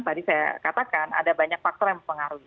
tadi saya katakan ada banyak faktor yang mempengaruhi